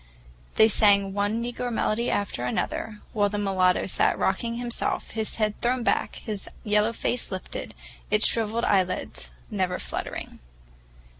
They sang one negro melody after another, while the mulatto sat rocking himself, his head thrown back, his yellow face lifted, its shriveled eyelids never fluttering.